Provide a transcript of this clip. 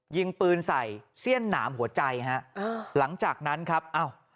ยิงปืนใส่เสี้ยนหนามหัวใจฮะอ่าหลังจากนั้นครับอ้าว